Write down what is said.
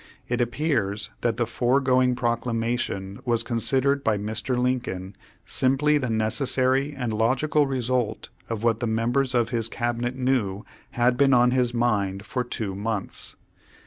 It appears that the foregoing proclamation was considered by Mr. Lincoln simply the necessary and logical result of what the m.embers of his cabinet knew had been on his mind for two months.